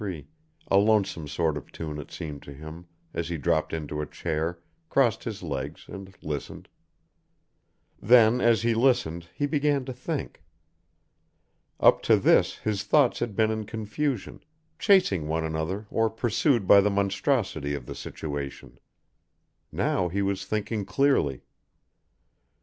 3, a lonesome sort of tune it seemed to him, as he dropped into a chair, crossed his legs and listened. Then as he listened he began to think. Up to this his thoughts had been in confusion, chasing one another or pursued by the monstrosity of the situation. Now he was thinking clearly.